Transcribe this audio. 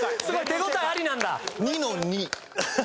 手応えありだったんだ。